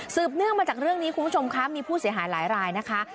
เนื่องมาจากเรื่องนี้คุณผู้ชมคะมีผู้เสียหายหลายรายนะคะ